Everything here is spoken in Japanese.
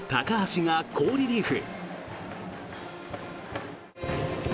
稀が好リリーフ。